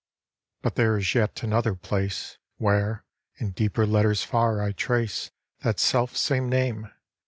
But there is yet another place, Where, in deeper letters far, I trace That self same name.